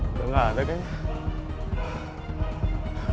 udah nggak ada kan